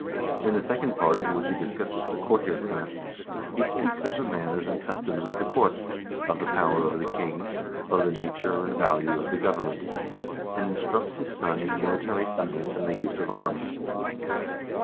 In the second part, in which he discusses the courtier class, he speaks of the manners and customs of the court, of the power of the king, of the nature and value of the government, and instructs his son in mili tary science and the use of arms.